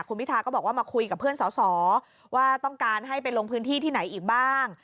คุณพิทาก็บอกว่ามาคุยกับเพื่อนสอสอว่าต้องการให้ไปลงพื้นที่ที่ไหนอีกบ้าง